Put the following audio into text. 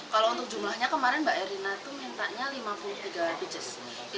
kalau untuk jumlahnya kemarin mbak erina itu mintanya lima puluh tiga lebih